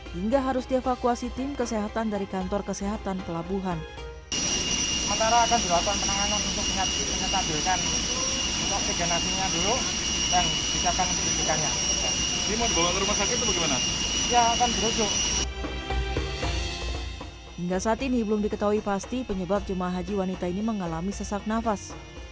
hingga saat ini belum diketahui pasti penyebab jemaah haji wanita ini mengalami sesak nafas